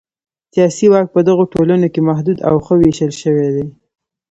سیاسي واک په دغو ټولنو کې محدود او ښه وېشل شوی دی.